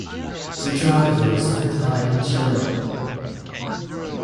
The driver spent the night in jail.